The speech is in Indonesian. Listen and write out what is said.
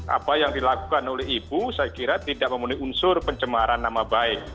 apa yang dilakukan oleh ibu saya kira tidak memenuhi unsur pencemaran nama baik